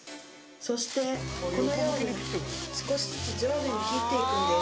そしてこのように少しずつ上下に切っていくんです。